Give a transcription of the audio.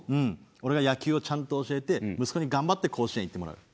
俺が野球をちゃんと教えて息子に頑張って甲子園行ってもらう。